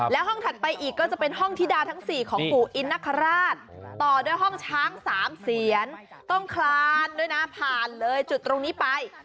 แล้วห้องถัดไปอีกก็จะเป็นห้องธิดาทั้ง๔ของปู่อินนคราชต่อด้วยห้องช้าง๓เสียนต้องคลานด้วยนะผ่านเลยจุดตรงนี้ไป